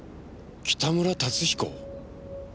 北村達彦？